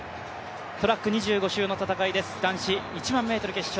トラック２５周の戦いです、男子１００００ｍ決勝。